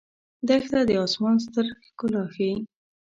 دښته د آسمان ستر ښکلا ښيي.